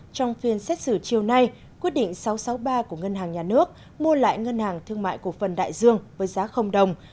trong phiên xét xử chiều nay quyết định sáu trăm sáu mươi ba của ngân hàng nhà nước mua lại ngân hàng thương mại cổ phần đại dương với giá đồng